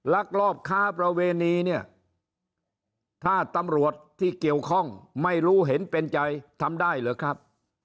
ลักลอบค้าประเวณีเนี่ยถ้าตำรวจที่เกี่ยวข้องไม่รู้เห็นเป็นใจทำได้เหรอครับ